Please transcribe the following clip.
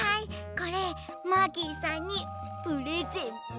これマーキーさんにプレゼント。